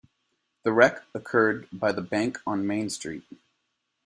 The wreck occurred by the bank on Main Street.